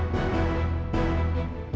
tuh aku turun